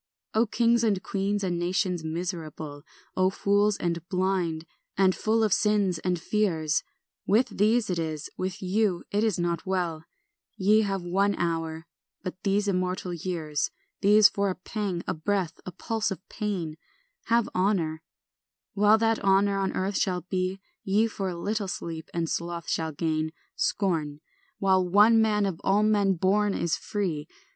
ANT. 2 O kings and queens and nations miserable, O fools and blind, and full of sins and fears, With these it is, with you it is not well; Ye have one hour, but these the immortal years. These for a pang, a breath, a pulse of pain, Have honour, while that honour on earth shall be: Ye for a little sleep and sloth shall gain Scorn, while one man of all men born is free.